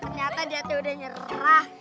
ternyata dia tuh udah nyerah